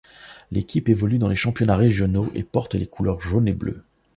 L'équipe évolue dans les championnats régionaux, et porte les couleurs jaune et bleu.